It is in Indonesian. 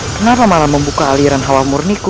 kenapa malam membuka aliran hawa murniku